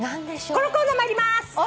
このコーナー参ります。